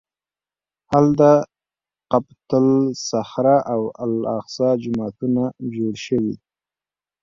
هلته قبة الصخره او الاقصی جوماتونه جوړ شوي.